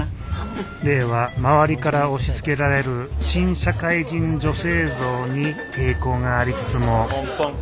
玲は周りから押しつけられる新社会人女性像に抵抗がありつつもポンポン。